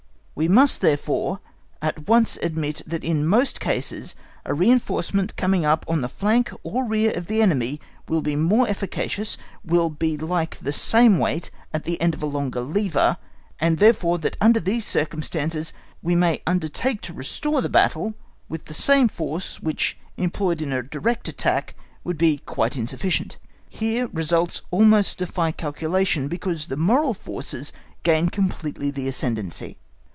We must, therefore, at once admit that in most cases a reinforcement coming up on the flank or rear of the enemy will be more efficacious, will be like the same weight at the end of a longer lever, and therefore that under these circumstances, we may undertake to restore the battle with the same force which employed in a direct attack would be quite insufficient. Here results almost defy calculation, because the moral forces gain completely the ascendency.